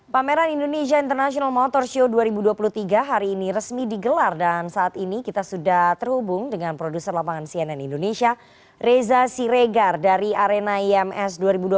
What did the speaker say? pameran indonesia international motor show dua ribu dua puluh tiga hari ini resmi digelar dan saat ini kita sudah terhubung dengan produser lapangan cnn indonesia reza siregar dari arena ims dua ribu dua puluh